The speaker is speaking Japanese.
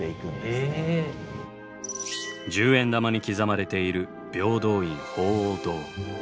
十円玉に刻まれている平等院鳳凰堂。